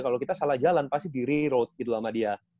kalau kita salah jalan pasti di reroute gitu sama dia